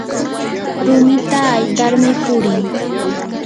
rumita haytarmi purin